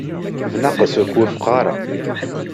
Bnaqes, ur k-wufqeɣ ara.